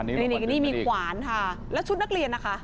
นี่มีขวานค่ะแล้วชุดนักเรียนนะคะ